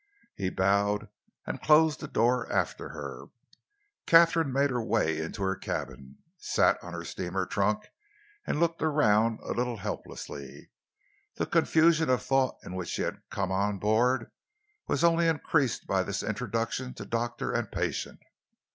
He bowed and closed the door after her. Katharine made her way into her cabin, sat on her steamer trunk and looked around a little helplessly. The confusion of thought in which she had come on board was only increased by this introduction to doctor and patient.